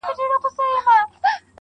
ولاړم دا ځل تر اختتامه پوري پاته نه سوم